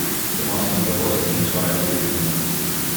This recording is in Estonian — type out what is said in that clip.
Temast on ka Postimees varem kirjutanud.